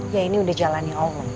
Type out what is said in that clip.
ya ini udah jalanin allah